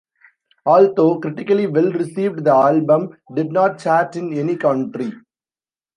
Although critically well received, the album did not chart in any country.